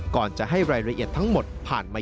ก่อนจะให้รายละเอียดทั้งหมดผ่านมา